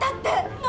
何？